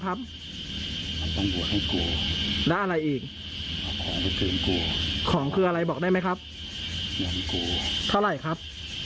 บ้างครับแล้วอะไรอีกของคืออะไรบอกได้ไหมครับเท่าไหร่ครับ